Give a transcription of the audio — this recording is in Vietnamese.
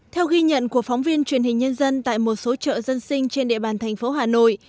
theo ghi nhận của phóng viên truyền hình nhân dân tại một số chợ dân sinh trên địa bàn thành phố hà nội